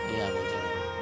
iya ke jebak